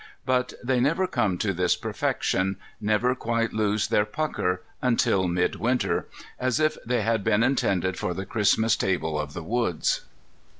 But they never come to this perfection, never quite lose their pucker, until midwinter,—as if they had been intended for the Christmas table of the woods.